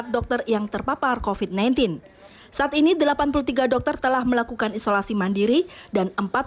satu ratus dua puluh empat dokter yang terpapar kofit sembilan belas saat ini delapan puluh tiga dokter telah melakukan isolasi mandiri dan empat puluh satu